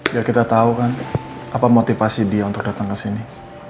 biar kita tahu kan apa motivasi dia untuk datang ke sini